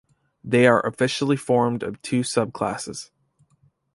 They are officially formed of two subclasses.